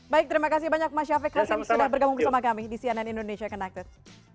baik terima kasih banyak mas syafiq hashim sudah bergabung bersama kami di cnn indonesia connected